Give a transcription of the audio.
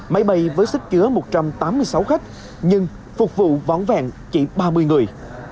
máy bay với sức chứa một trăm tám mươi sáu khách nhưng phục vụ vón vẹn chỉ ba mươi người